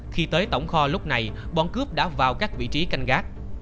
khi tới tổng kho lúc này bọn cướp đã vào các vị trí canh gác